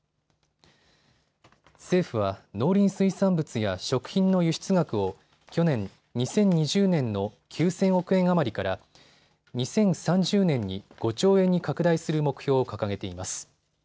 政府は農林水産物や食品の輸出額を去年２０２０年の９０００億円余りから２０３０年に５兆円に拡大する目標を掲げています。